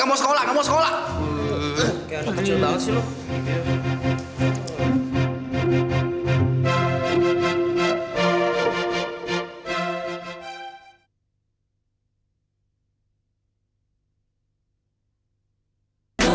gak mau sekolah gak mau sekolah